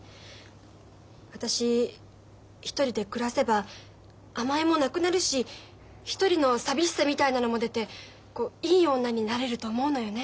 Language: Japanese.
私一人で暮らせば甘えもなくなるし一人の寂しさみたいなのも出ていい女になれると思うのよね。